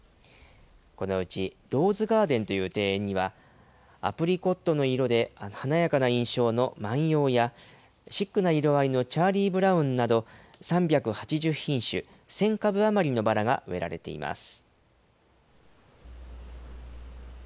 このうちローズガーデンという庭園には、アプリコットの色で華やかな印象の万葉や、シックな色合いのチャーリーブラウンなど、３８０品種１０００株余りのバラが植えられています。